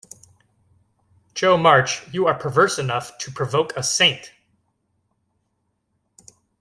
Jo March, you are perverse enough to provoke a saint!